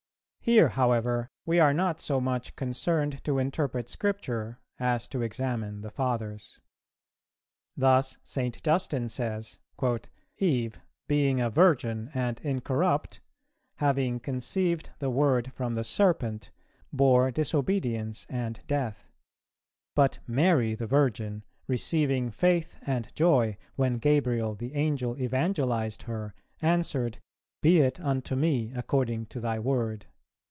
Here, however, we are not so much concerned to interpret Scripture as to examine the Fathers. Thus St. Justin says, "Eve, being a virgin and incorrupt, having conceived the word from the Serpent, bore disobedience and death; but Mary the Virgin, receiving faith and joy, when Gabriel the Angel evangelized her, answered, 'Be it unto me according to thy word.'"